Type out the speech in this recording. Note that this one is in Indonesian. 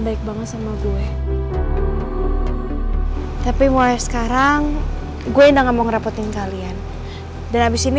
bu ibu kita harus pergi dari sini